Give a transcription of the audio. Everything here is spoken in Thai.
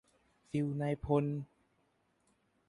ฟีลนายพล